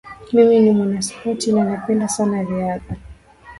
Mimi ni mwanaspoti na napenda sana riadha.